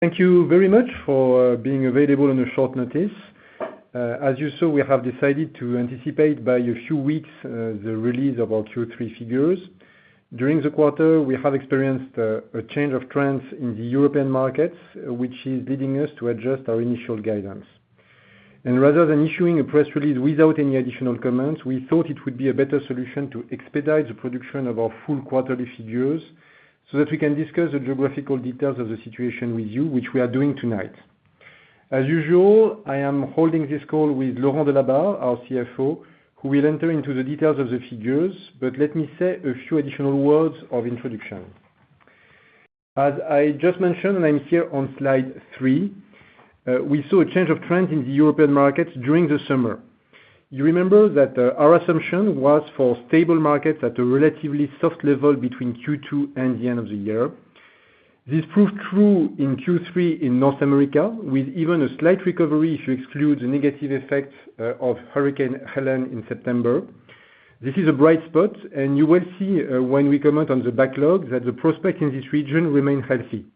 ...Thank you very much for being available on a short notice. As you saw, we have decided to anticipate by a few weeks the release of our Q3 figures. During the quarter, we have experienced a change of trends in the European markets, which is leading us to adjust our initial guidance and rather than issuing a press release without any additional comments, we thought it would be a better solution to expedite the production of our full quarterly figures, so that we can discuss the geographical details of the situation with you, which we are doing tonight. As usual, I am holding this call with Laurent Delabarre, our CFO, who will enter into the details of the figures, but let me say a few additional words of introduction. As I just mentioned, and I'm here on slide three, we saw a change of trend in the European markets during the summer. You remember that, our assumption was for stable markets at a relatively soft level between Q2 and the end of the year. This proved true in Q3 in North America, with even a slight recovery, if you exclude the negative effects, of Hurricane Helene in September. This is a bright spot, and you will see, when we comment on the backlog, that the prospect in this region remains healthy,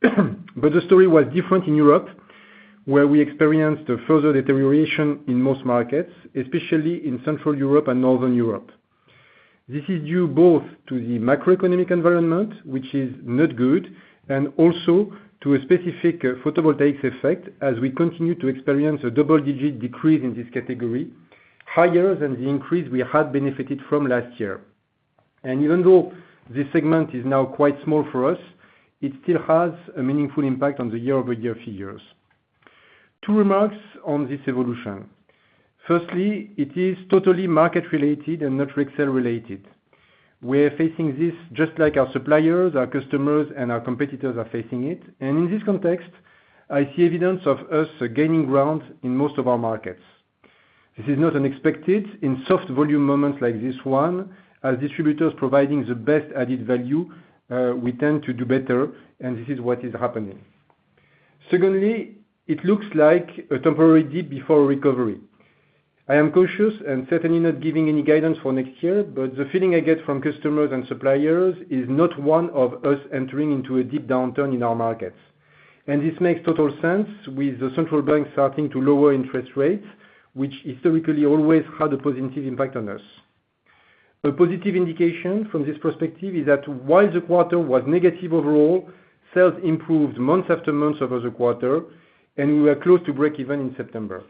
but the story was different in Europe, where we experienced a further deterioration in most markets, especially in Central Europe and Northern Europe. This is due both to the macroeconomic environment, which is not good, and also to a specific, photovoltaic effect, as we continue to experience a double-digit decrease in this category, higher than the increase we had benefited from last year, and even though this segment is now quite small for us, it still has a meaningful impact on the year-over-year figures. Two remarks on this evolution: firstly, it is totally market-related and not Rexel-related. We're facing this just like our suppliers, our customers, and our competitors are facing it, and in this context, I see evidence of us gaining ground in most of our markets. This is not unexpected. In soft volume moments like this one, as distributors providing the best added value, we tend to do better, and this is what is happening. Secondly, it looks like a temporary dip before recovery. I am cautious, and certainly not giving any guidance for next year, but the feeling I get from customers and suppliers is not one of us entering into a deep downturn in our markets, and this makes total sense with the central bank starting to lower interest rates, which historically always had a positive impact on us. A positive indication from this perspective is that while the quarter was negative overall, sales improved month after month over the quarter, and we were close to breakeven in September.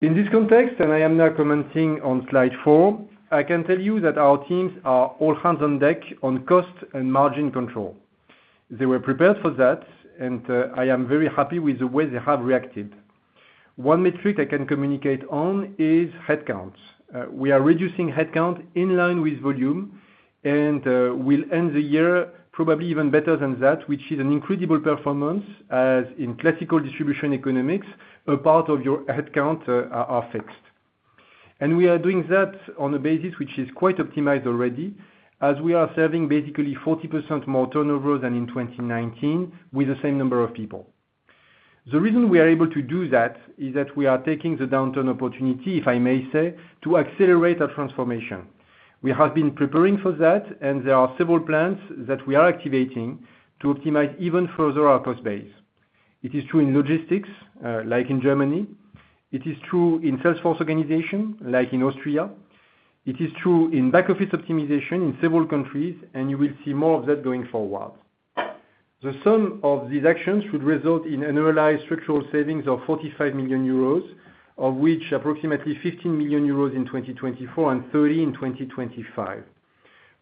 In this context, and I am now commenting on slide four, I can tell you that our teams are all hands on deck on cost and margin control. They were prepared for that, and I am very happy with the way they have reacted. One metric I can communicate on is headcounts. We are reducing headcount in line with volume, and we'll end the year probably even better than that, which is an incredible performance, as in classical distribution economics, a part of your headcount are fixed. And we are doing that on a basis which is quite optimized already, as we are serving basically 40% more turnover than in 2019 with the same number of people. The reason we are able to do that is that we are taking the downturn opportunity, if I may say, to accelerate our transformation. We have been preparing for that, and there are several plans that we are activating to optimize even further our cost base. It is true in logistics, like in Germany. It is true in sales force organization, like in Austria. It is true in back office optimization in several countries, and you will see more of that going forward. The sum of these actions should result in annualized structural savings of 45 million euros, of which approximately 15 million euros in 2024 and 30 in 2025.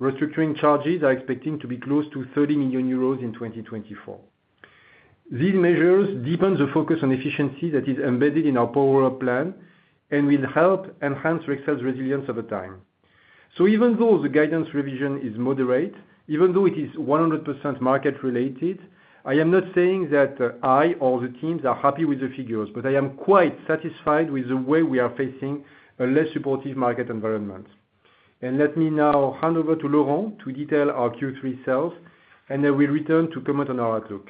Restructuring charges are expecting to be close to 30 million euros in 2024. These measures deepen the focus on efficiency that is embedded in our Power plan and will help enhance Rexel's resilience over time. So even though the guidance revision is moderate, even though it is 100% market-related, I am not saying that, I or the teams are happy with the figures, but I am quite satisfied with the way we are facing a less supportive market environment. And let me now hand over to Laurent to detail our Q3 sales, and I will return to comment on our outlook.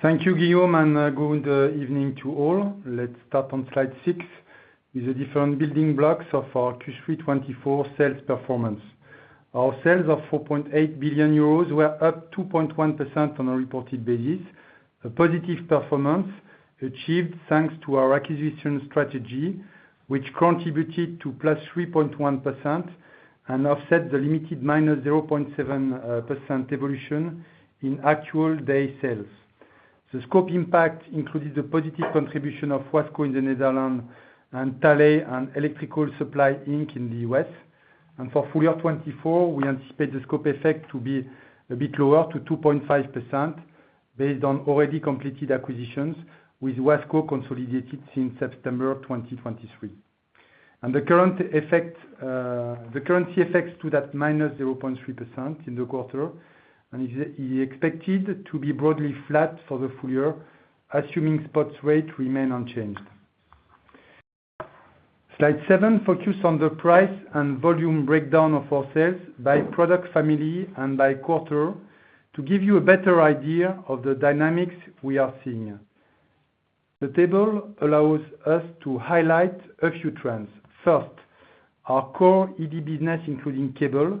Thank you, Guillaume, and good evening to all. Let's start on slide six with the different building blocks of our Q3 2024 sales performance. Our sales of 4.8 billion euros were up 2.1% on a reported basis. A positive performance achieved thanks to our acquisition strategy, which contributed to +3.1% and offset the limited -0.7% evolution in actual day sales. The scope impact included the positive contribution of Wasco in the Netherlands and Talley and Electrical Supplies Inc. in the US, and for full year 2024, we anticipate the scope effect to be a bit lower, to 2.5%, based on already completed acquisitions, with Wasco consolidated since September of 2023. And the currency effect, the currency effects to that -0.3% in the quarter, and is expected to be broadly flat for the full year, assuming spot rates remain unchanged. Slide seven, focus on the price and volume breakdown of our sales by product family and by quarter, to give you a better idea of the dynamics we are seeing. The table allows us to highlight a few trends. First, our core ED business, including cable,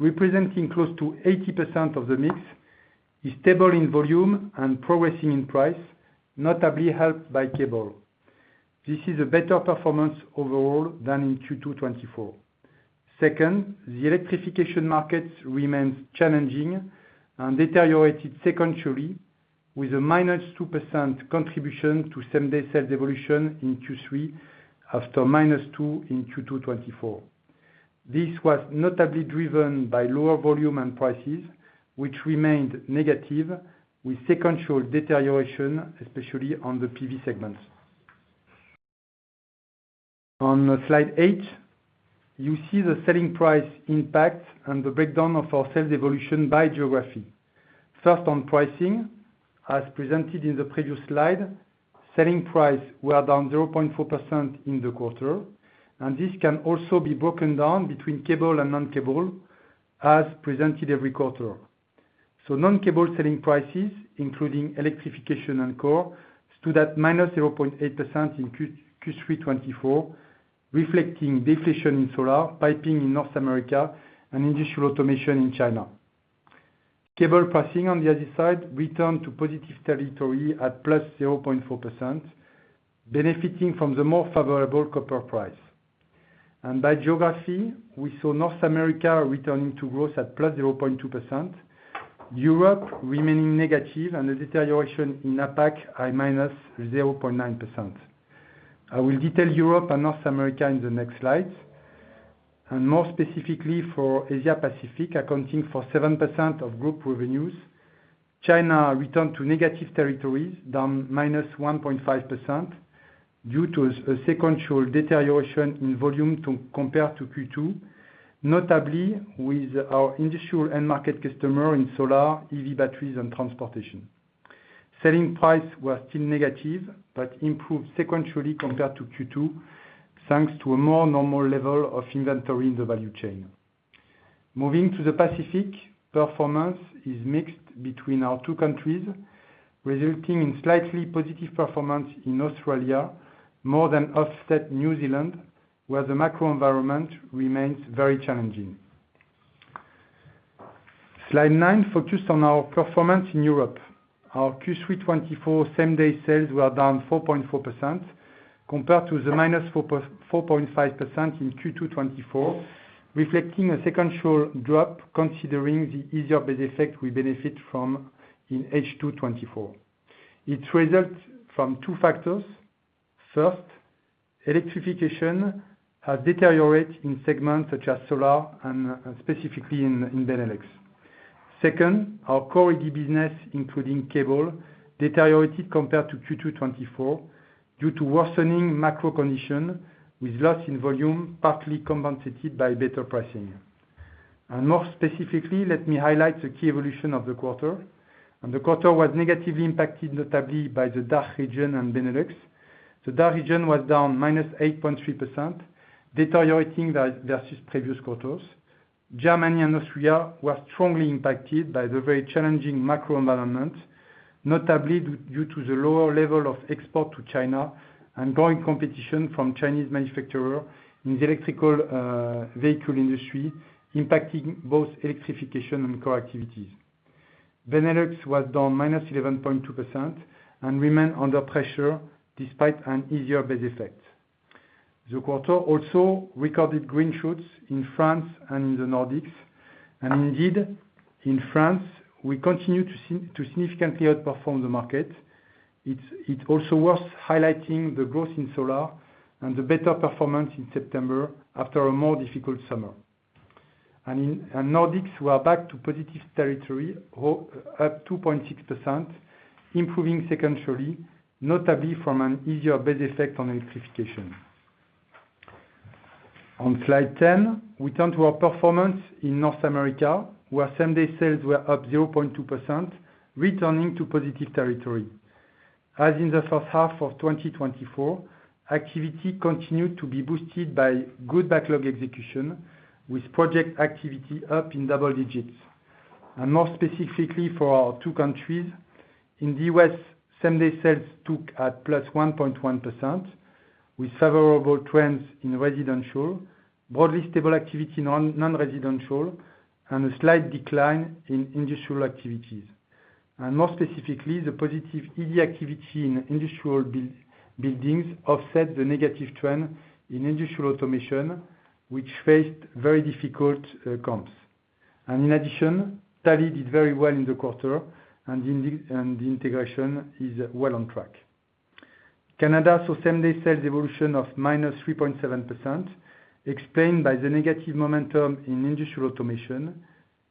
representing close to 80% of the mix, is stable in volume and progressing in price, notably helped by cable. This is a better performance overall than in Q2 2024. Second, the electrification market remains challenging and deteriorated sequentially, with a -2% contribution to same-day sales evolution in Q3, after -2% in Q2 2024. This was notably driven by lower volume and prices, which remained negative, with sequential deterioration, especially on the PV segments. On Slide eight, you see the selling price impact and the breakdown of our sales evolution by geography. First, on pricing, as presented in the previous slide, selling price were down 0.4% in the quarter, and this can also be broken down between cable and non-cable, as presented every quarter. So non-cable selling prices, including electrification and core, stood at -0.8% in Q3 2024, reflecting deflation in solar, pricing in North America, and industrial automation in China. Cable pricing, on the other side, returned to positive territory at +0.4%, benefiting from the more favorable copper price. By geography, we saw North America returning to growth at +0.2%, Europe remaining negative, and a deterioration in APAC at -0.9%. I will detail Europe and North America in the next slides, and more specifically for Asia Pacific, accounting for 7% of group revenues, China returned to negative territories, down -1.5%, due to a sequential deterioration in volume to compare to Q2, notably with our industrial end market customer in solar, EV batteries, and transportation. Selling price was still negative, but improved sequentially compared to Q2, thanks to a more normal level of inventory in the value chain. Moving to the Pacific, performance is mixed between our two countries, resulting in slightly positive performance in Australia, more than offset New Zealand, where the macro environment remains very challenging. Slide 9 focused on our performance in Europe. Our Q3 2024 same-day sales were down 4.4% compared to minus 4.5% in Q2 2024, reflecting a sequential drop, considering the easier base effect we benefit from in H2 2024. It results from two factors. First, electrification has deteriorated in segments such as solar and specifically in Benelux. Second, our core ED business, including cable, deteriorated compared to Q2 2024 due to worsening macro condition, with loss in volume, partly compensated by better pricing. More specifically, let me highlight the key evolution of the quarter. The quarter was negatively impacted, notably by the DACH region and Benelux. The DACH region was down minus 8.3%, deteriorating versus previous quarters. Germany and Austria were strongly impacted by the very challenging macro environment, notably due to the lower level of export to China and growing competition from Chinese manufacturer in the electric vehicle industry, impacting both electrification and core activities. Benelux was down minus 11.2% and remain under pressure despite an easier base effect. The quarter also recorded green shoots in France and in the Nordics, and indeed, in France, we continue to significantly outperform the market. It also worth highlighting the growth in solar and the better performance in September after a more difficult summer. And in Nordics were back to positive territory, up 2.6%, improving sequentially, notably from an easier base effect on electrification. On Slide 10, we turn to our performance in North America, where same-day sales were up 0.2%, returning to positive territory. As in the first half of 2024, activity continued to be boosted by good backlog execution, with project activity up in double digits. More specifically for our two countries, in the U.S., same-day sales took at +1.1%, with favorable trends in residential, broadly stable activity in non-residential, and a slight decline in industrial activities. More specifically, the positive ED activity in industrial buildings offset the negative trend in industrial automation, which faced very difficult comps. In addition, Talley did very well in the quarter, and the integration is well on track. Canada, so same-day sales evolution of minus 3.7%, explained by the negative momentum in industrial automation,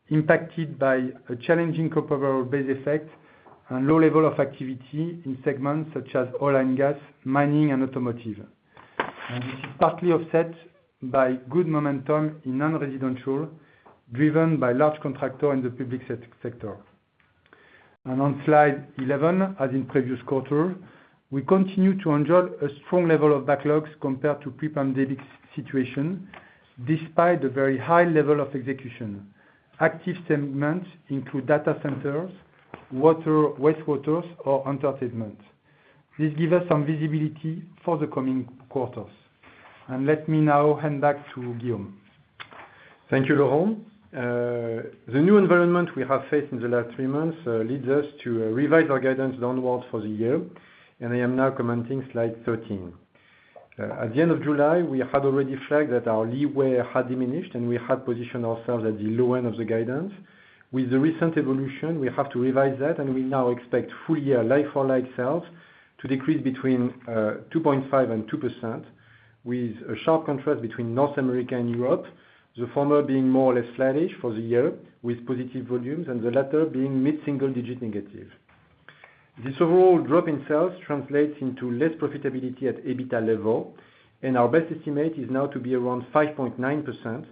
impacted by a challenging comparable base effect and low level of activity in segments such as oil and gas, mining, and automotive. This is partly offset by good momentum in non-residential, driven by large contractor in the public sector. On Slide 11, as in previous quarter, we continue to enjoy a strong level of backlogs compared to pre-pandemic situation, despite the very high level of execution. Active segments include data centers, water, wastewaters, or entertainment. This gives us some visibility for the coming quarters. Let me now hand back to Guillaume. Thank you, Laurent. The new environment we have faced in the last three months leads us to revise our guidance downwards for the year, and I am now commenting slide thirteen. At the end of July, we had already flagged that our leeway had diminished, and we had positioned ourselves at the low end of the guidance. With the recent evolution, we have to revise that, and we now expect full year like-for-like sales to decrease between 2.5% and 2%, with a sharp contrast between North America and Europe, the former being more or less sluggish for the year, with positive volumes, and the latter being mid-single digit negative. This overall drop in sales translates into less profitability at EBITDA level, and our best estimate is now to be around 5.9%,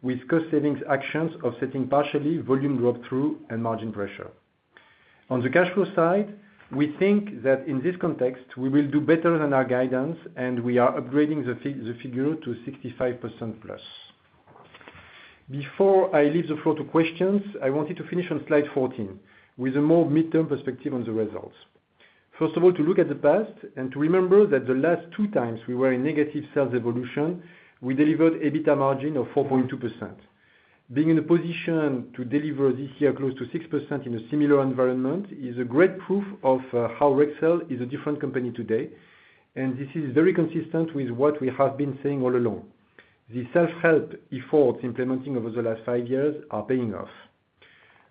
with cost savings actions offsetting partially volume drop-through and margin pressure. On the cash flow side, we think that in this context, we will do better than our guidance, and we are upgrading the figure to 65% plus. Before I leave the floor to questions, I wanted to finish on slide 14, with a more mid-term perspective on the results. First of all, to look at the past, and to remember that the last two times we were in negative sales evolution, we delivered EBITDA margin of 4.2%. Being in a position to deliver this year close to 6% in a similar environment is a great proof of how Rexel is a different company today, and this is very consistent with what we have been saying all along. The self-help efforts implementing over the last five years are paying off.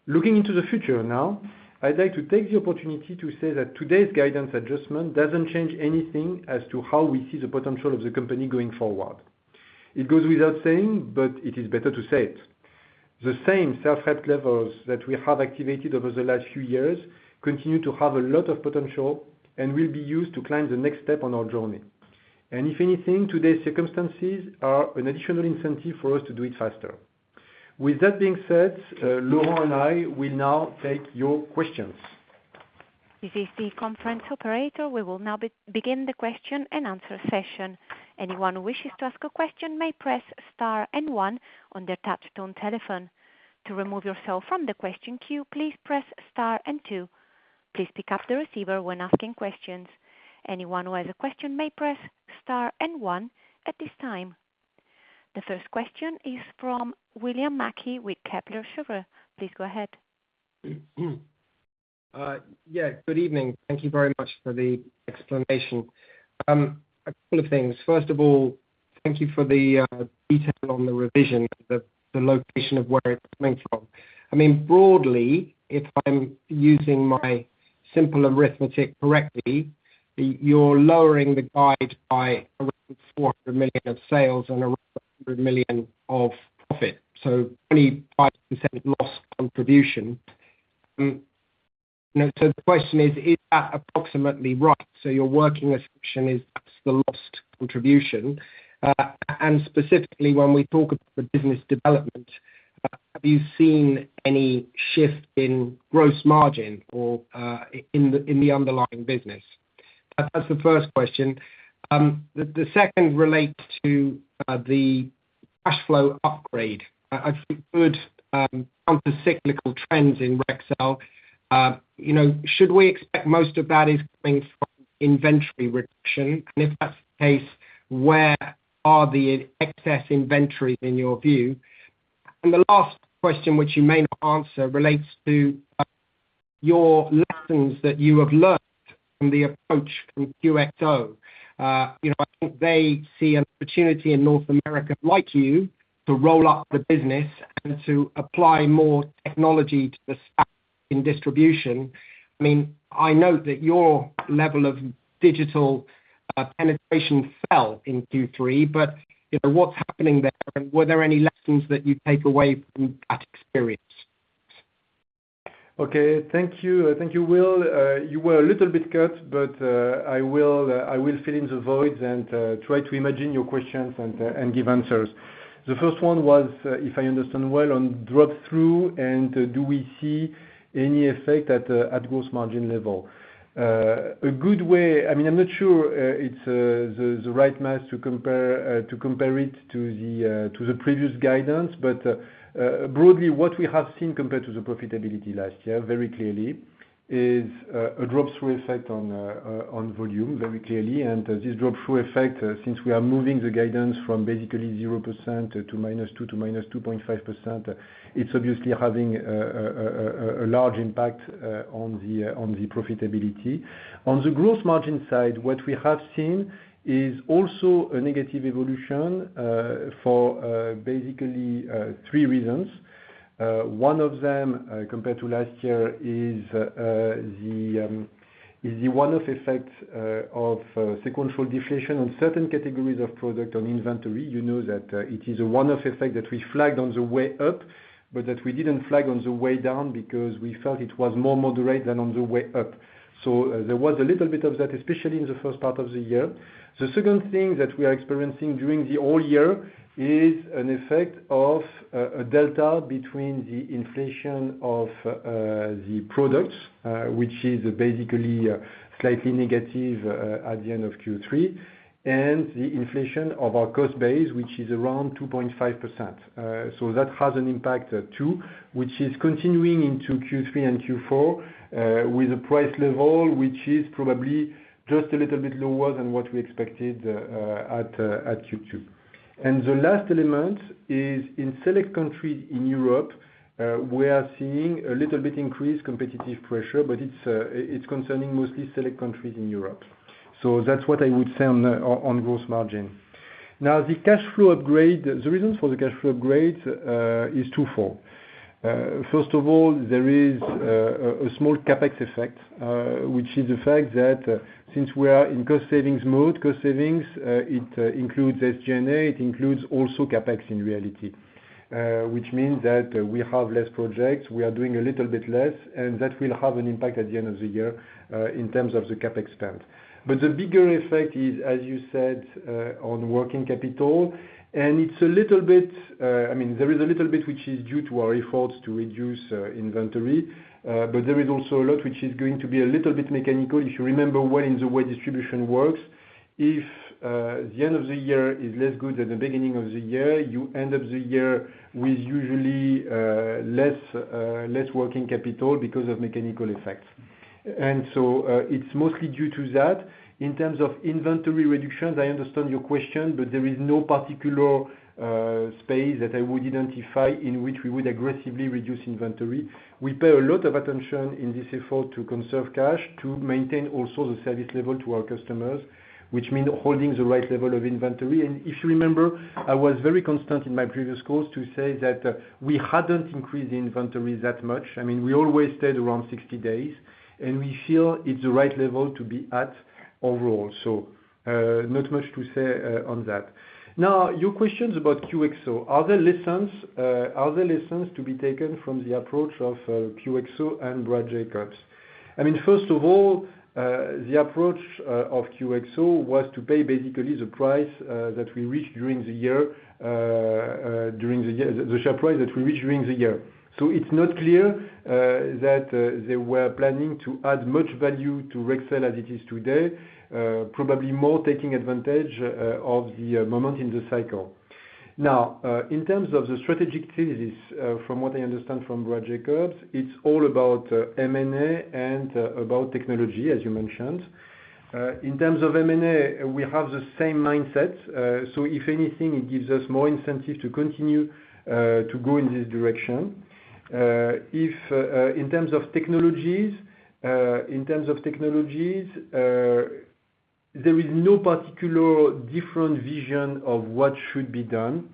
Looking into the future now, I'd like to take the opportunity to say that today's guidance adjustment doesn't change anything as to how we see the potential of the company going forward. It goes without saying, but it is better to say it. The same self-help levels that we have activated over the last few years continue to have a lot of potential and will be used to climb the next step on our journey. And if anything, today's circumstances are an additional incentive for us to do it faster. With that being said, Laurent and I will now take your questions. This is the conference operator. We will now begin the question and answer session. Anyone who wishes to ask a question may press star and one on their touch tone telephone. To remove yourself from the question queue, please press star and two. Please pick up the receiver when asking questions. Anyone who has a question may press star and one at this time. The first question is from William Mackie with Kepler Cheuvreux. Please go ahead. Yeah, good evening. Thank you very much for the explanation. A couple of things. First of all, thank you for the detail on the revision, the location of where it's coming from. I mean, broadly, if I'm using my simple arithmetic correctly, you're lowering the guide by around 400 million of sales and around 100 million of profit, so 25% loss contribution. Now, the question is, is that approximately right? So your working assumption is, that's the lost contribution. And specifically, when we talk about the business development, have you seen any shift in gross margin or in the underlying business? That's the first question. The second relates to the cash flow upgrade. I've heard counter-cyclical trends in Rexel. You know, should we expect most of that is coming from inventory reduction? And if that's the case, where are the excess inventories in your view? And the last question, which you may not answer, relates to your lessons that you have learned from the approach from QXO. You know, I think they see an opportunity in North America, like you, to roll up the business and to apply more technology to the stock in distribution. I mean, I know that your level of digital penetration fell in Q3, but you know, what's happening there? And were there any lessons that you take away from that experience? Okay, thank you. Thank you, Will. You were a little bit cut, but I will fill in the voids and try to imagine your questions and give answers. The first one was, if I understand well, on drop-through, and do we see any effect at gross margin level? A good way, I mean, I'm not sure it's the right math to compare it to the previous guidance, but broadly, what we have seen compared to the profitability last year, very clearly, is a drop-through effect on volume, very clearly. This drop-through effect, since we are moving the guidance from basically 0% to -2% to -2.5%, it's obviously having a large impact on the profitability. On the gross margin side, what we have seen is also a negative evolution for basically three reasons. One of them compared to last year is the one-off effect of sequential deflation on certain categories of product on inventory. You know, that it is a one-off effect that we flagged on the way up, but that we didn't flag on the way down because we felt it was more moderate than on the way up. There was a little bit of that, especially in the first part of the year. The second thing that we are experiencing during the whole year is an effect of a delta between the inflation of the products, which is basically slightly negative at the end of Q3, and the inflation of our cost base, which is around 2.5%. So that has an impact too, which is continuing into Q3 and Q4, with a price level which is probably just a little bit lower than what we expected at Q2. And the last element is in select countries in Europe, we are seeing a little bit increased competitive pressure, but it's concerning mostly select countries in Europe. So that's what I would say on gross margin. Now, the cash flow upgrade, the reason for the cash flow upgrade, is twofold. First of all, there is a small CapEx effect, which is the fact that since we are in cost savings mode, cost savings, it includes SG&A, it includes also CapEx in reality. Which means that we have less projects, we are doing a little bit less, and that will have an impact at the end of the year in terms of the CapEx spend. But the bigger effect is, as you said, on working capital. And it's a little bit, I mean, there is a little bit which is due to our efforts to reduce inventory, but there is also a lot which is going to be a little bit mechanical. If you remember well in the way distribution works, if the end of the year is less good than the beginning of the year, you end up the year with usually less working capital because of mechanical effects. And so, it's mostly due to that. In terms of inventory reductions, I understand your question, but there is no particular space that I would identify in which we would aggressively reduce inventory. We pay a lot of attention in this effort to conserve cash, to maintain also the service level to our customers, which means holding the right level of inventory. And if you remember, I was very constant in my previous calls to say that we hadn't increased the inventory that much. I mean, we always stayed around sixty days, and we feel it's the right level to be at overall. So, not much to say on that. Now, your questions about QXO. Are there lessons to be taken from the approach of QXO and Brad Jacobs? I mean, first of all, the approach of QXO was to pay basically the price that we reached during the year, the share price that we reached during the year. So it's not clear that they were planning to add much value to Rexel as it is today, probably more taking advantage of the moment in the cycle. Now, in terms of the strategic thesis, from what I understand from Brad Jacobs, it's all about M&A and about technology, as you mentioned. In terms of M&A, we have the same mindset. So if anything, it gives us more incentive to continue to go in this direction. If in terms of technologies, there is no particular different vision of what should be done.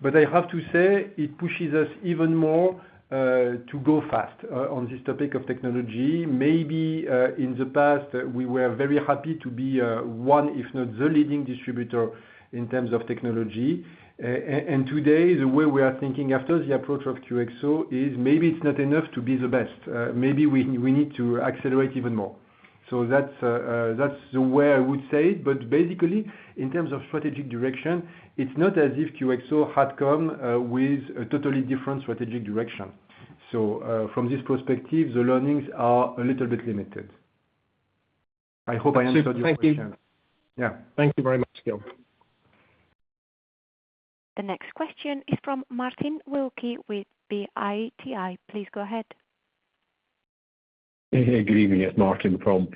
But I have to say, it pushes us even more to go fast on this topic of technology. Maybe in the past, we were very happy to be one, if not the leading distributor in terms of technology. And today, the way we are thinking after the approach of QXO, is maybe it's not enough to be the best. Maybe we need to accelerate even more. So that's the way I would say it, but basically, in terms of strategic direction, it's not as if QXO had come with a totally different strategic direction. From this perspective, the learnings are a little bit limited. I hope I answered your question. Thank you. Yeah. Thank you very much, Guillaume. The next question is from Martin Wilkie with Citi. Please go ahead. Hey, hey, good evening. It's Martin from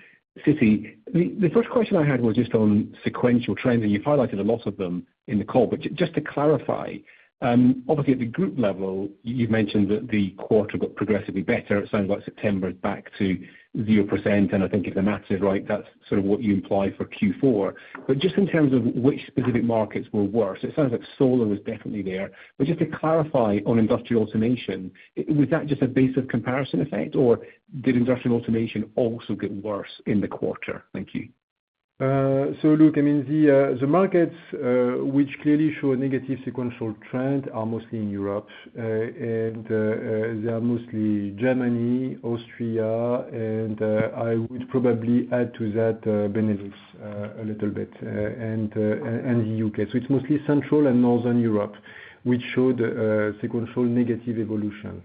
Citi. The first question I had was just on sequential trends, and you've highlighted a lot of them in the call. But just to clarify, obviously, at the group level, you've mentioned that the quarter got progressively better. It sounds like September is back to 0%, and I think if the math is right, that's sort of what you imply for Q4. But just in terms of which specific markets were worse, it sounds like solar was definitely there. But just to clarify on industrial automation, was that just a base of comparison effect, or did industrial automation also get worse in the quarter? Thank you. Look, I mean, the markets which clearly show a negative sequential trend are mostly in Europe, and they are mostly Germany, Austria, and I would probably add to that, Benelux a little bit, and the UK. It's mostly Central and Northern Europe, which showed sequential negative evolution.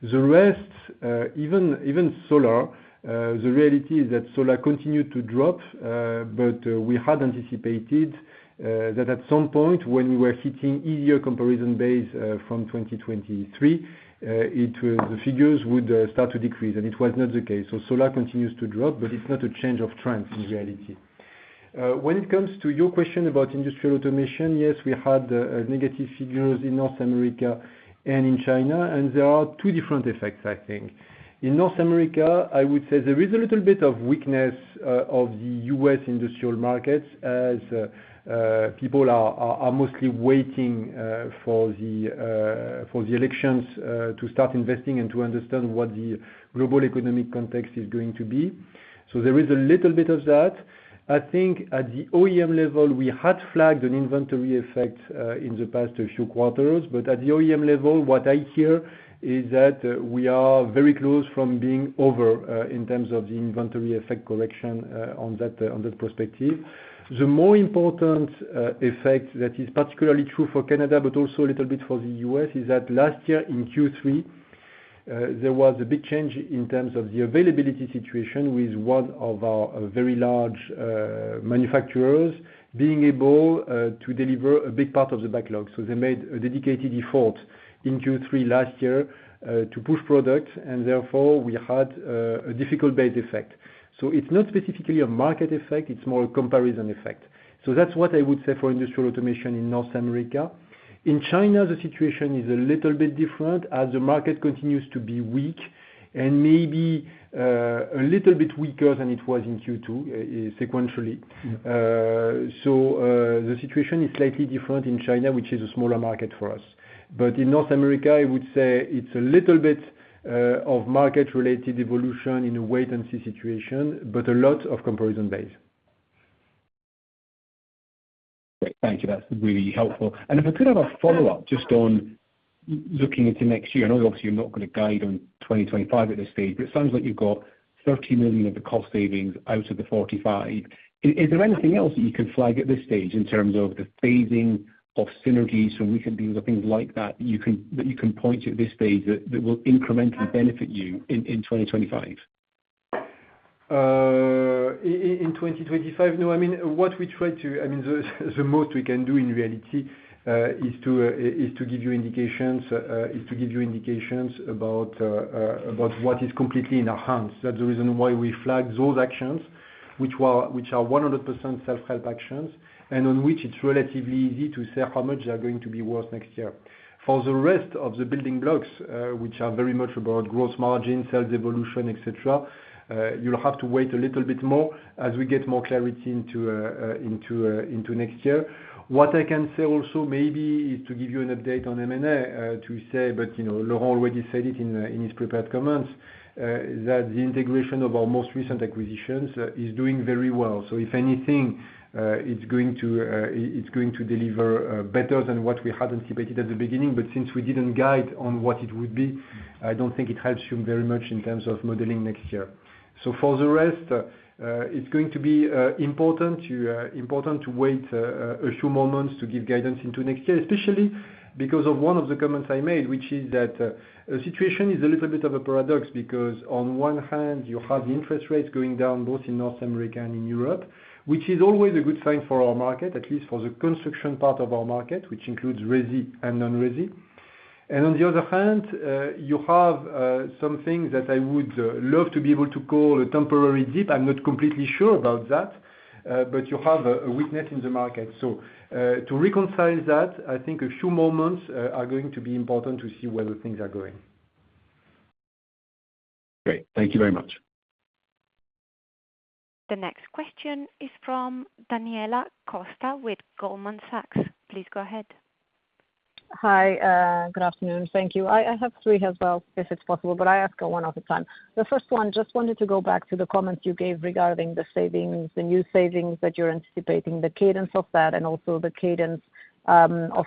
The rest, even solar, the reality is that solar continued to drop, but we had anticipated that at some point when we were hitting easier comparison base from 2023, the figures would start to decrease, and it was not the case. Solar continues to drop, but it's not a change of trend in reality. When it comes to your question about industrial automation, yes, we had negative figures in North America and in China, and there are two different effects, I think. In North America, I would say there is a little bit of weakness of the U.S. industrial markets, as people are mostly waiting for the elections to start investing and to understand what the global economic context is going to be. So there is a little bit of that. I think at the OEM level, we had flagged an inventory effect in the past few quarters, but at the OEM level, what I hear is that we are very close from being over in terms of the inventory effect correction on that perspective. The more important effect that is particularly true for Canada, but also a little bit for the U.S., is that last year in Q3, there was a big change in terms of the availability situation with one of our very large manufacturers, being able to deliver a big part of the backlog. So they made a dedicated effort in Q3 last year to push product, and therefore we had a difficult base effect. So it's not specifically a market effect, it's more a comparison effect. So that's what I would say for industrial automation in North America. In China, the situation is a little bit different, as the market continues to be weak and maybe a little bit weaker than it was in Q2, sequentially. So, the situation is slightly different in China, which is a smaller market for us. But in North America, I would say it's a little bit of market-related evolution in a wait-and-see situation, but a lot of comparison base.... Thank you. That's really helpful. And if I could have a follow-up just on looking into next year. I know obviously you're not gonna guide on twenty twenty-five at this stage, but it sounds like you've got 30 million of the 45. Is there anything else that you can flag at this stage in terms of the phasing of synergies from recent deals, or things like that, that you can point to at this stage that will incrementally benefit you in twenty twenty-five? In 2025? No, I mean, what we try to do, I mean, the most we can do, in reality, is to give you indications about what is completely in our hands. That's the reason why we flag those actions, which are 100% self-help actions, and on which it's relatively easy to say how much they are going to be worth next year. For the rest of the building blocks, which are very much about growth margin, sales evolution, et cetera, you'll have to wait a little bit more as we get more clarity into next year. What I can say also, maybe, is to give you an update on M&A, to say, but, you know, Laurent already said it in his prepared comments, that the integration of our most recent acquisitions is doing very well. So if anything, it's going to deliver better than what we had anticipated at the beginning, but since we didn't guide on what it would be, I don't think it helps you very much in terms of modeling next year. So for the rest, it's going to be important to wait a few moments to give guidance into next year, especially because of one of the comments I made, which is that the situation is a little bit of a paradox, because on one hand, you have the interest rates going down, both in North America and in Europe, which is always a good sign for our market, at least for the construction part of our market, which includes resi and non-resi, and on the other hand, you have something that I would love to be able to call a temporary dip. I'm not completely sure about that, but you have a weakness in the market. To reconcile that, I think a few moments are going to be important to see where the things are going. Great. Thank you very much. The next question is from Daniela Costa with Goldman Sachs. Please go ahead. Hi, good afternoon. Thank you. I have three as well, if it's possible, but I ask one at a time. The first one, just wanted to go back to the comments you gave regarding the savings, the new savings that you're anticipating, the cadence of that, and also the cadence of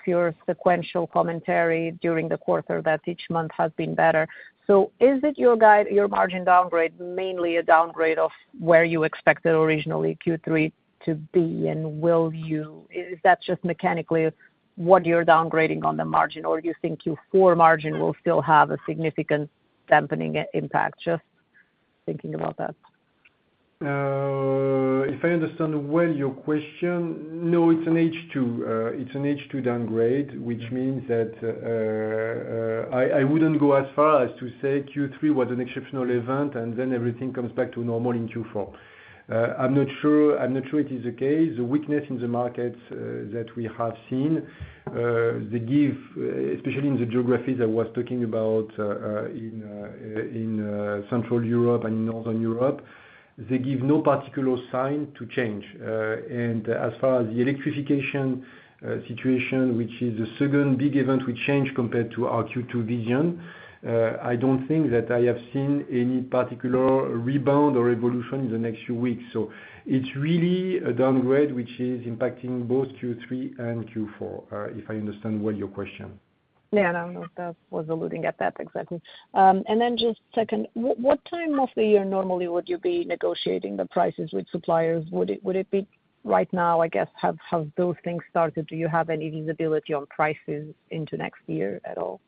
your sequential commentary during the quarter, that each month has been better. So is it your guide, your margin downgrade, mainly a downgrade of where you expected originally Q3 to be? And is that just mechanically what you're downgrading on the margin, or you think Q4 margin will still have a significant dampening impact? Just thinking about that. If I understand well your question, no, it's an H2 downgrade. Which means that I wouldn't go as far as to say Q3 was an exceptional event, and then everything comes back to normal in Q4. I'm not sure it is the case. The weakness in the markets that we have seen, especially in the geographies I was talking about, in Central Europe and Northern Europe, they give no particular sign to change, and as far as the electrification situation, which is the second big event we change compared to our Q2 vision, I don't think that I have seen any particular rebound or evolution in the next few weeks. So it's really a downgrade which is impacting both Q3 and Q4, if I understand well your question. Yeah, no, that was alluding at that, exactly. And then just second, what time of the year normally would you be negotiating the prices with suppliers? Would it be right now, I guess? Have those things started? Do you have any visibility on prices into next year at all?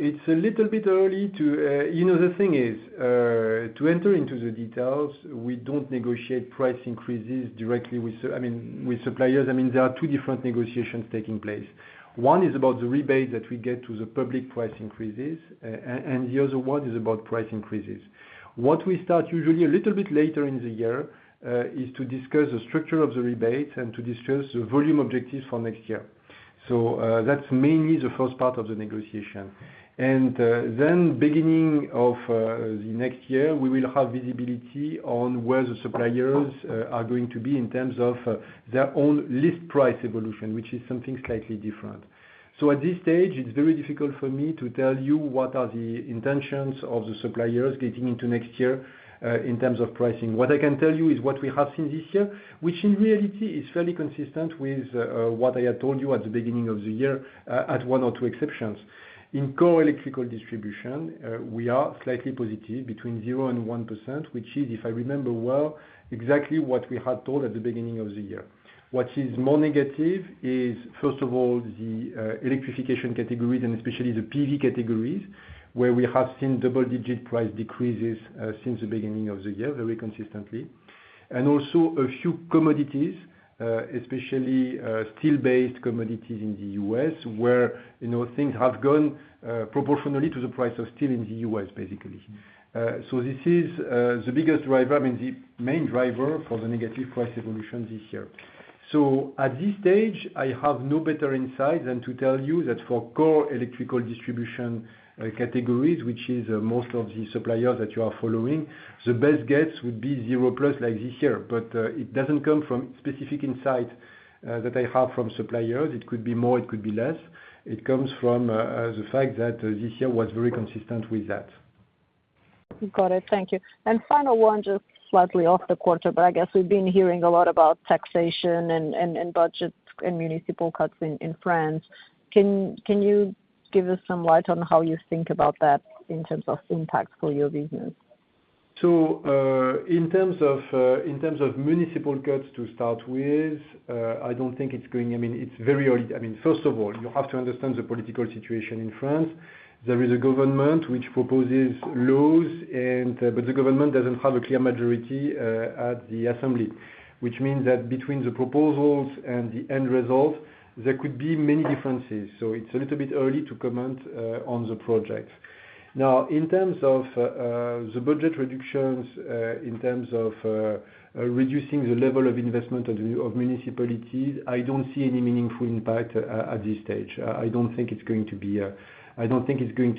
It's a little bit early to... You know, the thing is, to enter into the details, we don't negotiate price increases directly with suppliers. I mean, there are two different negotiations taking place. One is about the rebates that we get to the public price increases, and the other one is about price increases. What we start usually a little bit later in the year is to discuss the structure of the rebate and to discuss the volume objectives for next year, so that's mainly the first part of the negotiation, and then beginning of the next year, we will have visibility on where the suppliers are going to be in terms of their own list price evolution, which is something slightly different. So at this stage, it's very difficult for me to tell you what are the intentions of the suppliers getting into next year, in terms of pricing. What I can tell you is what we have seen this year, which in reality is fairly consistent with what I had told you at the beginning of the year, at one or two exceptions. In core electrical distribution, we are slightly positive, between 0% and 1%, which is, if I remember well, exactly what we had told at the beginning of the year. What is more negative is, first of all, the electrification categories, and especially the PV categories, where we have seen double-digit price decreases, since the beginning of the year, very consistently. And also a few commodities, especially, steel-based commodities in the U.S., where, you know, things have gone, proportionally to the price of steel in the U.S., basically. So this is, the biggest driver and the main driver for the negative price evolution this year. So at this stage, I have no better insight than to tell you that for core electrical distribution, categories, which is most of the suppliers that you are following, the best guess would be zero plus, like this year. But, it doesn't come from specific insight, that I have from suppliers. It could be more, it could be less. It comes from, the fact that this year was very consistent with that.... Got it. Thank you. And final one, just slightly off the quarter, but I guess we've been hearing a lot about taxation and budgets and municipal cuts in France. Can you give us some light on how you think about that in terms of impacts for your business? So in terms of municipal cuts to start with, I don't think it's going. I mean, it's very early. I mean, first of all, you have to understand the political situation in France. There is a government which proposes laws and, but the government doesn't have a clear majority at the assembly. Which means that between the proposals and the end result, there could be many differences. So it's a little bit early to comment on the project. Now, in terms of the budget reductions, in terms of reducing the level of investment of municipalities, I don't see any meaningful impact at this stage. I don't think it's going to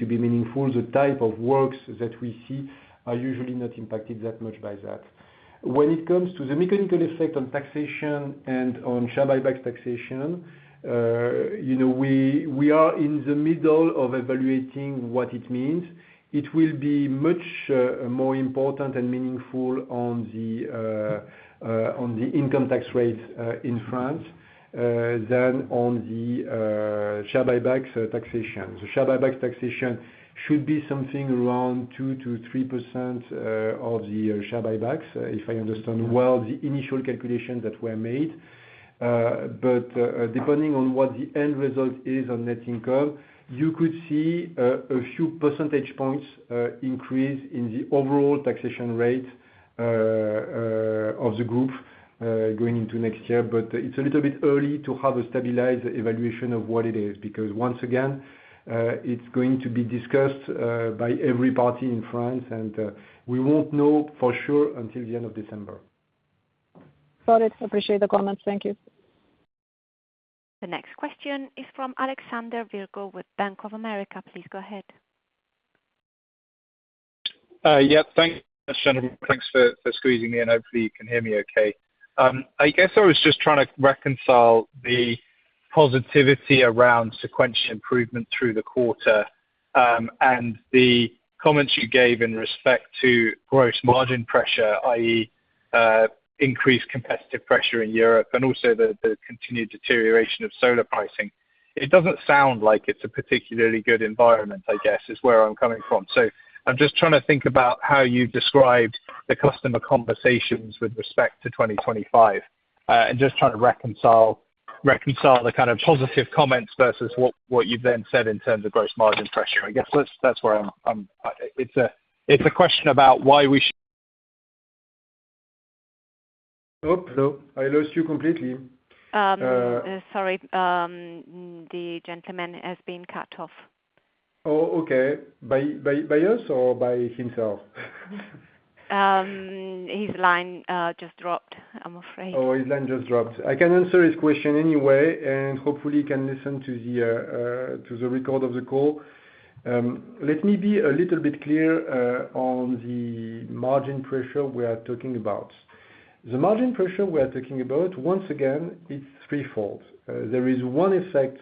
be meaningful. The type of works that we see are usually not impacted that much by that. When it comes to the mechanical effect on taxation and on share buybacks taxation, you know, we are in the middle of evaluating what it means. It will be much more important and meaningful on the income tax rates in France than on the share buybacks taxation. The share buybacks taxation should be something around 2%-3% of the share buybacks, if I understand well the initial calculations that were made, but depending on what the end result is on net income, you could see a few percentage points increase in the overall taxation rate of the group going into next year. But it's a little bit early to have a stabilized evaluation of what it is, because once again, it's going to be discussed by every party in France, and we won't know for sure until the end of December. Got it. Appreciate the comments. Thank you. The next question is from Alexander Virgo with Bank of America. Please go ahead. Yeah, thanks, Jennifer. Thanks for squeezing me in, hopefully you can hear me okay. I guess I was just trying to reconcile the positivity around sequential improvement through the quarter, and the comments you gave in respect to gross margin pressure, i.e., increased competitive pressure in Europe, and also the continued deterioration of solar pricing. It doesn't sound like it's a particularly good environment, I guess, is where I'm coming from. So I'm just trying to think about how you described the customer conversations with respect to 2025. And just trying to reconcile the kind of positive comments versus what you've then said in terms of gross margin pressure. I guess that's where I'm. It's a question about why we sh- Oh, hello. I lost you completely. Sorry, the gentleman has been cut off. Oh, okay. By us or by himself? His line just dropped, I'm afraid. Oh, his line just dropped. I can answer his question anyway, and hopefully he can listen to the record of the call. Let me be a little bit clear on the margin pressure we are talking about. The margin pressure we are talking about, once again, it's threefold. There is one effect,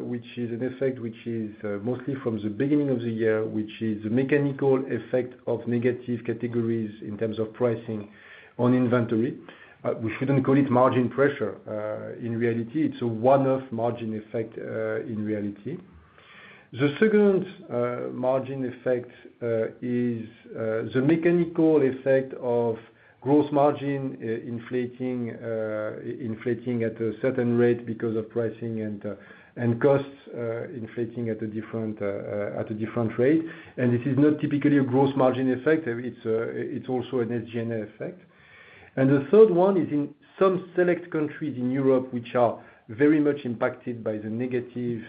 which is an effect which is mostly from the beginning of the year, which is the mechanical effect of negative categories in terms of pricing on inventory. We shouldn't call it margin pressure; in reality, it's a one-off margin effect, in reality. The second margin effect is the mechanical effect of gross margin inflating at a certain rate because of pricing and costs inflating at a different rate. And this is not typically a gross margin effect, it's, it's also an SG&A effect. And the third one is in some select countries in Europe, which are very much impacted by the negative,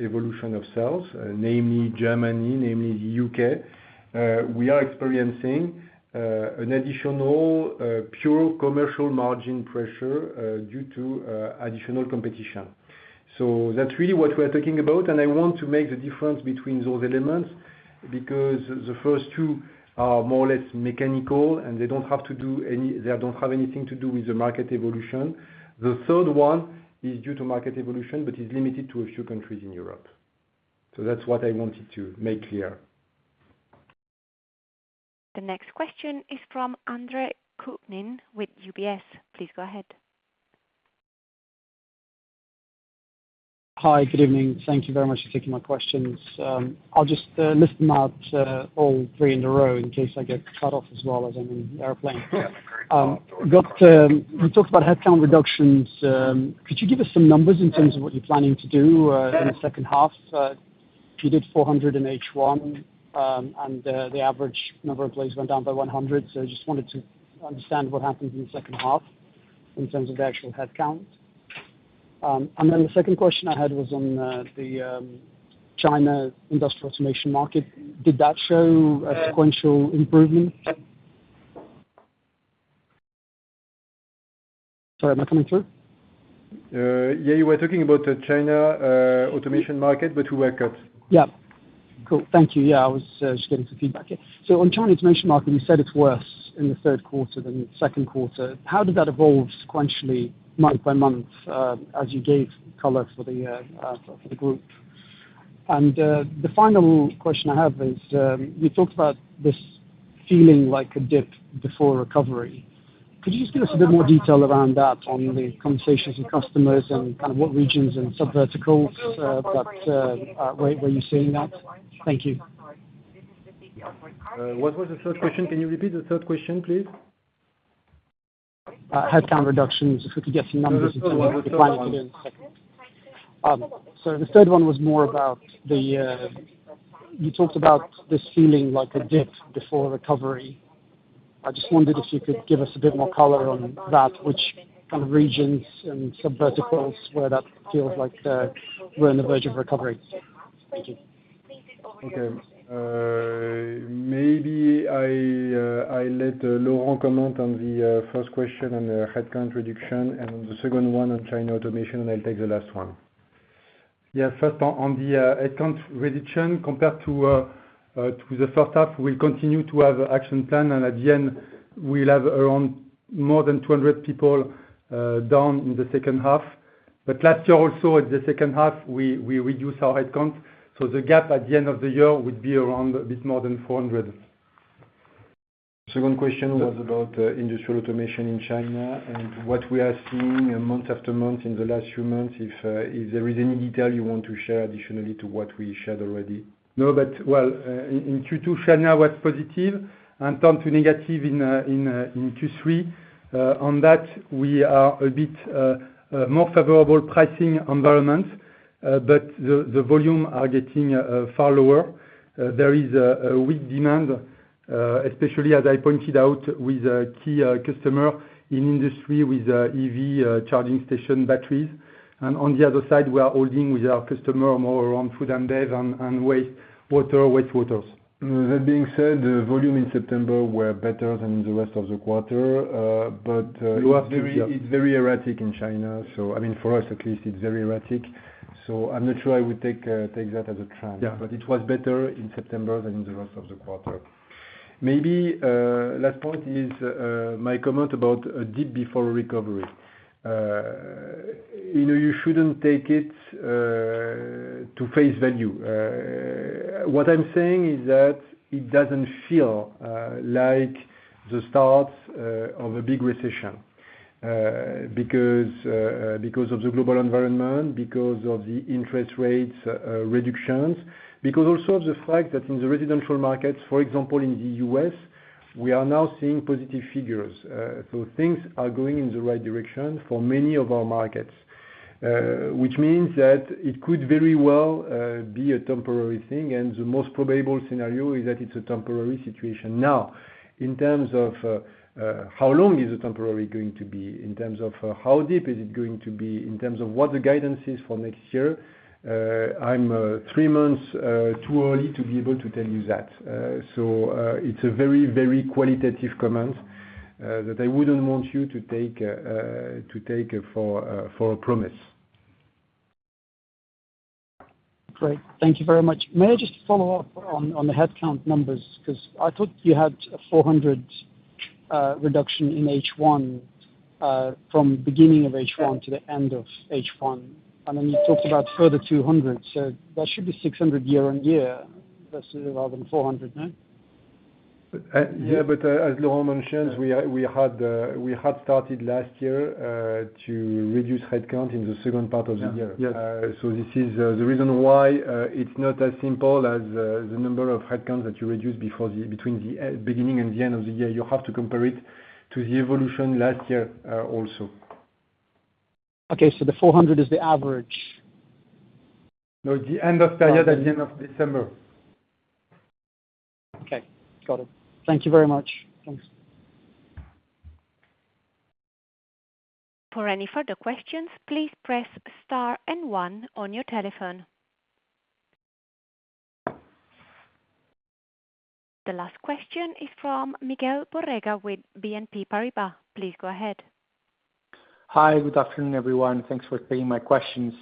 evolution of sales, namely Germany, namely the UK. We are experiencing, an additional, pure commercial margin pressure, due to, additional competition. So that's really what we're talking about, and I want to make the difference between those elements, because the first two are more or less mechanical, and they don't have anything to do with the market evolution. The third one is due to market evolution, but is limited to a few countries in Europe. So that's what I wanted to make clear. The next question is from Andre Kukhnin, with UBS. Please go ahead. Hi, good evening. Thank you very much for taking my questions. I'll just list them out all three in a row in case I get cut off as well as I'm in an airplane. We talked about headcount reductions. Could you give us some numbers in terms of what you're planning to do in the second half? You did 400 in H1, and the average number of employees went down by 100, so I just wanted to understand what happens in the second half in terms of the actual headcount. And then the second question I had was on the China industrial automation market. Did that show a sequential improvement? Sorry, am I coming through? Yeah, you were talking about the China, automation market, but we were cut. Yeah. Cool. Thank you. Yeah, I was just getting some feedback. So on China automation market, you said it's worse in the Q3 than the Q2. How did that evolve sequentially, month by month, as you gave color for the group? And the final question I have is, you talked about this feeling like a dip before recovery. Could you just give us a bit more detail around that on the conversations with customers and kind of what regions and subverticals that where you're seeing that? Thank you. What was the third question? Can you repeat the third question, please? Headcount reductions, if we could get some numbers and tell me what the plan is? Second. So the third one was more about the... You talked about this feeling like a dip before recovery. I just wondered if you could give us a bit more color on that, which kind of regions and subverticals where that feels like we're on the verge of recovery. Thank you. Okay. Maybe I let Laurent comment on the first question on the headcount reduction, and the second one on China automation, and I'll take the last one. Yeah. First, on the headcount reduction, compared to the first half, we'll continue to have an action plan, and at the end, we'll have around more than 200 people down in the second half. But last year also, at the second half, we reduced our headcount, so the gap at the end of the year would be around a bit more than 400. Second question was about industrial automation in China and what we are seeing month after month in the last few months, if there is any detail you want to share additionally to what we shared already. No, but well, in Q2, China was positive and turned to negative in Q3. On that, we are a bit more favorable pricing environment, but the volume are getting far lower. There is a weak demand, especially as I pointed out with a key customer in industry with EV charging station batteries. On the other side, we are holding with our customer more around food and bev and wastewater. That being said, the volume in September were better than the rest of the quarter, but it's very erratic in China. So I mean, for us at least, it's very erratic, so I'm not sure I would take that as a trend. Yeah. But it was better in September than in the rest of the quarter. Maybe last point is my comment about a dip before recovery. You know, you shouldn't take it to face value. What I'm saying is that it doesn't feel like the start of a big recession because of the global environment, because of the interest rates reductions. Because also the fact that in the residential markets, for example, in the U.S., we are now seeing positive figures. So things are going in the right direction for many of our markets, which means that it could very well be a temporary thing, and the most probable scenario is that it's a temporary situation. Now, in terms of how long is the temporary going to be, in terms of how deep is it going to be, in terms of what the guidance is for next year, I'm three months too early to be able to tell you that. So it's a very, very qualitative comment that I wouldn't want you to take it for a promise. Great. Thank you very much. May I just follow up on the headcount numbers? 'Cause I thought you had four hundred reduction in H1 from beginning of H1- Yeah... to the end of H1, and then you talked about further two hundred, so that should be six hundred year-on-year versus rather than four hundred, no? Yeah, but as Laurent mentioned, we had started last year to reduce headcount in the second part of the year. Yeah. Yes. So this is the reason why it's not as simple as the number of headcount that you reduced between the beginning and the end of the year. You have to compare it to the evolution last year also. Okay, so the four hundred is the average? No, the end of the year, at the end of December. Okay. Got it. Thank you very much. Thanks. For any further questions, please press star and one on your telephone. The last question is from Miguel Borrega with BNP Paribas. Please go ahead. Hi, good afternoon, everyone. Thanks for taking my questions.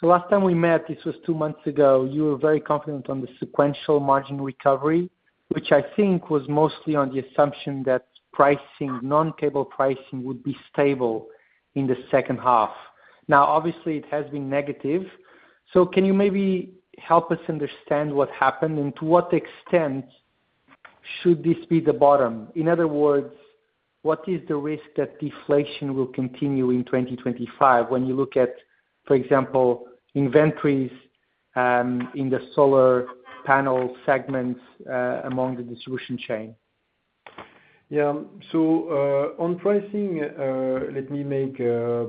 So last time we met, this was two months ago, you were very confident on the sequential margin recovery, which I think was mostly on the assumption that pricing, non-cable pricing would be stable in the second half. Now, obviously, it has been negative, so can you maybe help us understand what happened and to what extent should this be the bottom? In other words, what is the risk that deflation will continue in twenty twenty-five when you look at, for example, inventories in the solar panel segments among the distribution chain? Yeah. So, on pricing, let me make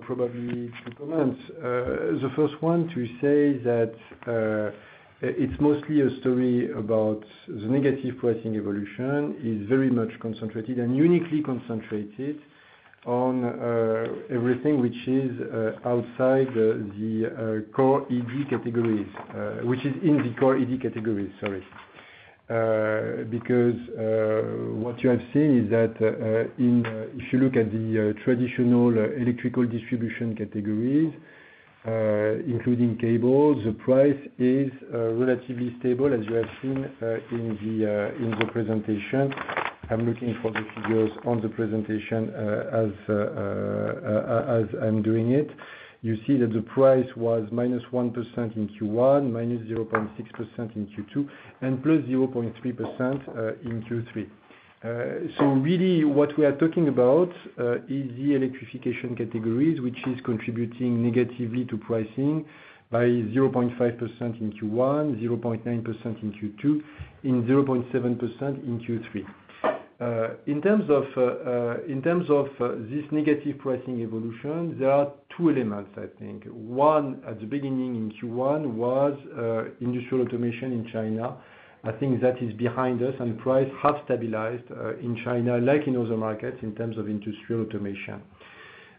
probably two comments. The first one to say that it's mostly a story about the negative pricing evolution is very much concentrated, and uniquely concentrated on everything which is outside the core ED categories, which is in the core ED categories, sorry. Because what you have seen is that in if you look at the traditional electrical distribution categories, including cables, the price is relatively stable, as you have seen in the in the presentation. I'm looking for the figures on the presentation, as as I'm doing it. You see that the price was minus 1% in Q1, minus 0.6% in Q2, and plus 0.3% in Q3. So really what we are talking about is the electrification categories, which is contributing negatively to pricing by 0.5% in Q1, 0.9% in Q2, and 0.7% in Q3. In terms of this negative pricing evolution, there are two elements, I think. One, at the beginning in Q1, was industrial automation in China. I think that is behind us, and price has stabilized in China, like in other markets, in terms of industrial automation.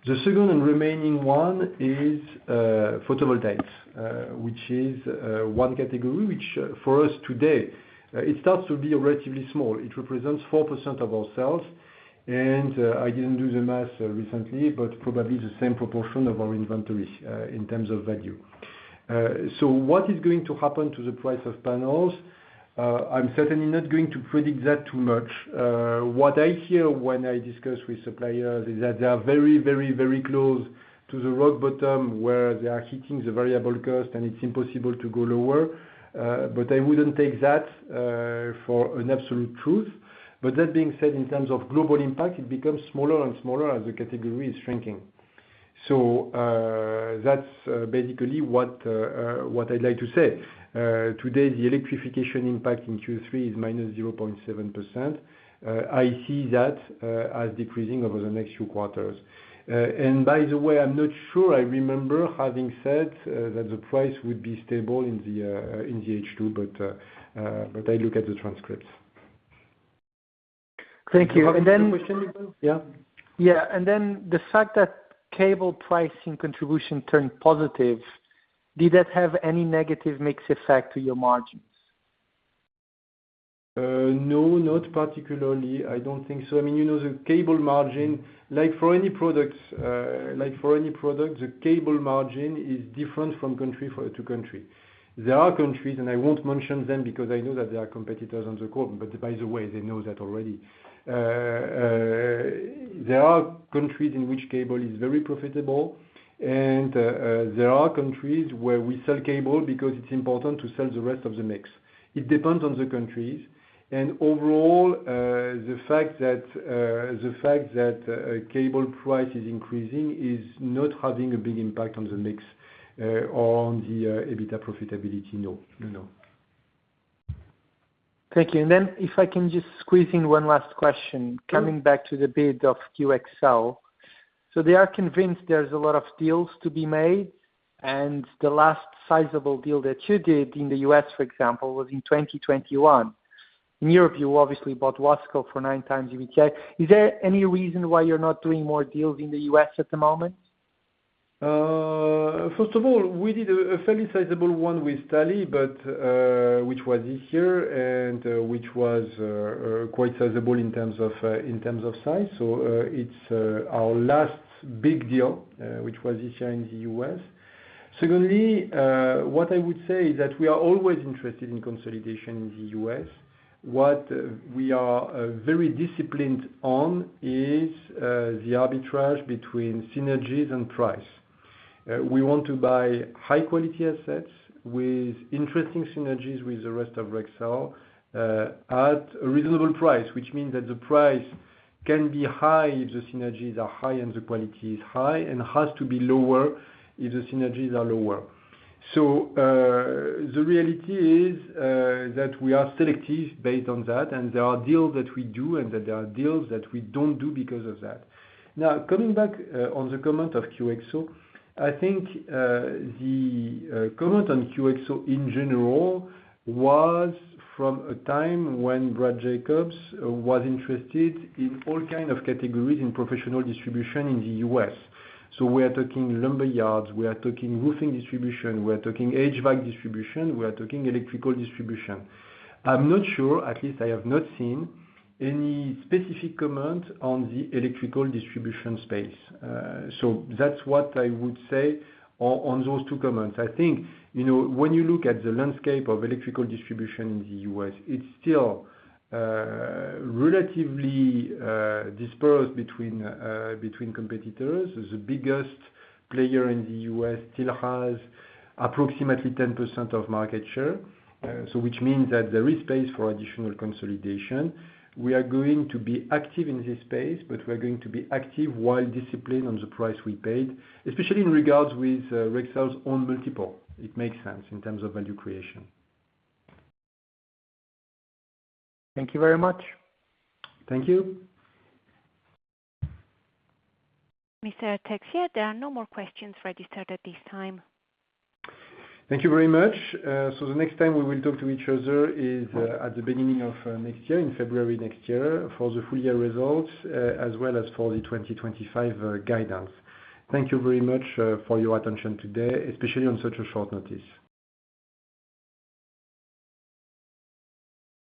The second and remaining one is photovoltaics, which is one category, which for us today it starts to be relatively small. It represents 4% of our sales, and I didn't do the math recently, but probably the same proportion of our inventory in terms of value. So what is going to happen to the price of panels? I'm certainly not going to predict that too much. What I hear when I discuss with suppliers is that they are very, very, very close to the rock bottom, where they are hitting the variable cost, and it's impossible to go lower. But I wouldn't take that for an absolute truth. But that being said, in terms of global impact, it becomes smaller and smaller as the category is shrinking. So that's basically what I'd like to say. Today, the electrification impact in Q3 is minus 0.7%. I see that as decreasing over the next few quarters. And by the way, I'm not sure I remember having said that the price would be stable in the H2, but I look at the transcripts. Thank you. And then- You have any question, Nicolas? Yeah. Yeah, and then the fact that cable pricing contribution turned positive, did that have any negative mix effect to your margins? No, not particularly. I don't think so. I mean, you know, the cable margin, like for any products, like for any product, the cable margin is different from country to country. There are countries, and I won't mention them, because I know that they are competitors on the call, but by the way, they know that already. There are countries in which cable is very profitable, and there are countries where we sell cable because it's important to sell the rest of the mix. It depends on the countries, and overall, the fact that cable price is increasing is not having a big impact on the mix, or on the EBITDA profitability. No, no, no. Thank you. And then if I can just squeeze in one last question- Sure. Coming back to the bid of QXO. So they are convinced there's a lot of deals to be made, and the last sizable deal that you did in the U.S., for example, was in 2021. In Europe, you obviously bought Wasco for nine times EBITDA. Is there any reason why you're not doing more deals in the U.S. at the moment? First of all, we did a fairly sizable one with Talley, but which was this year, and which was quite sizable in terms of size. So, it's our last big deal, which was this year in the US. Secondly, what I would say is that we are always interested in consolidation in the US. What we are very disciplined on is the arbitrage between synergies and price. We want to buy high quality assets with interesting synergies with the rest of Rexel at a reasonable price, which means that the price can be high if the synergies are high and the quality is high, and has to be lower if the synergies are lower. So, the reality is that we are selective based on that, and there are deals that we do, and that there are deals that we don't do because of that. Now, coming back on the comment of QXO, I think the comment on QXO in general was from a time when Brad Jacobs was interested in all kind of categories in professional distribution in the US. So we are talking lumber yards, we are talking roofing distribution, we are talking HVAC distribution, we are talking electrical distribution. I'm not sure, at least I have not seen any specific comment on the electrical distribution space. So that's what I would say on those two comments. I think, you know, when you look at the landscape of electrical distribution in the US, it's still relatively dispersed between competitors. The biggest player in the U.S. still has approximately 10% of market share, so which means that there is space for additional consolidation. We are going to be active in this space, but we are going to be active while disciplined on the price we paid, especially in regards with Rexel's own multiple. It makes sense in terms of value creation. Thank you very much. Thank you. Mr. Texier, there are no more questions registered at this time. Thank you very much. So the next time we will talk to each other is at the beginning of next year, in February next year, for the full year results, as well as for the twenty twenty-five guidance. Thank you very much for your attention today, especially on such a short notice.